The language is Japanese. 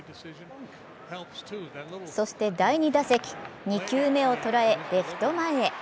そして第２打席、２球目を捉え、レフト前へ。